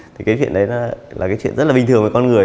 thì cái chuyện đấy là cái chuyện rất là bình thường với con người